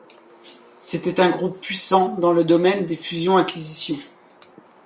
C'était un groupe puissant dans le domaine des fusion-acquisition.